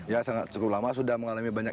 ya sangat cukup lama sudah mengalami banyak